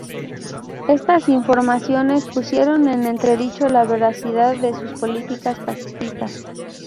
Estas informaciones pusieron en entredicho la veracidad de sus políticas pacifistas.